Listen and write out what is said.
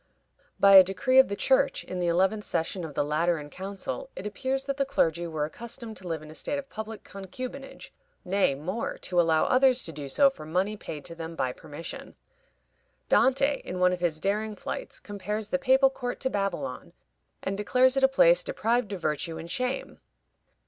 By a decree of the Church in the eleventh session of the Lateran Council it appears that the clergy were accustomed to live in a state of public concubinage, nay, more, to allow others to do so for money paid to them by permission. Dante, in one of his daring flights, compares the papal court to Babylon, and declares it a place deprived of virtue and shame.